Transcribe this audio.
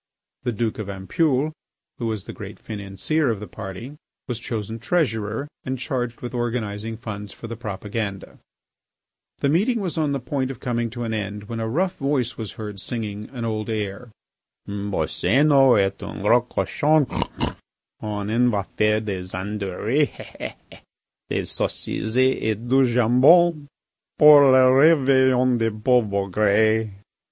The Duke of Ampoule, who was the great financier of the party, was chosen treasurer and charged with organising funds for the propaganda. The meeting was on the point of coming to an end when a rough voice was heard singing an old air: Boscénos est un gros cochon; On en va faire des andouilles Des saucisses et du jambon Pour le réveillon des pauv' bougres.